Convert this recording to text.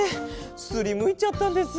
すりむいちゃったんです。